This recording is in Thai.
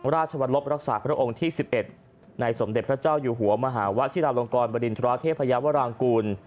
ราชวรรมรักษาพระเจ้าองค์ที่สิบเอ็ดในสมเด็จพระเจ้าอยู่หัวมหาวะที่ราบลงกรบริณฑราเทพยาวรางกูล